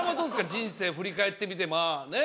人生を振り返ってみてまあね